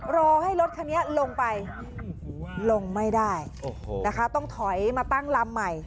รอให้รถคันนี้ลงไปลงไม่ได้นะคะต้องถอยมาตั้งลำใหม่